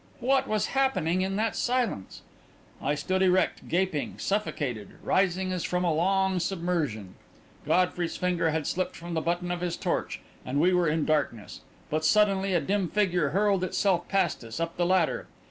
What was happening in that silence? I stood erect, gaping, suffocated, rising as from a long submersion. Godfrey's finger had slipped from the button of his torch, and we were in darkness; but suddenly a dim figure hurled itself past us, up the ladder.